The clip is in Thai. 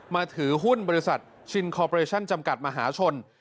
ถือหุ้นบริษัทชินคอเปรชั่นจำกัดมหาชน